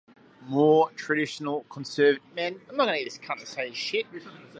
More traditional Conservative synagogues became an ever-shrinking minority.